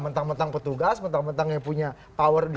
mentang mentang petugas mentang mentang yang punya power di